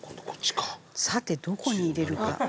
さてどこに入れるか。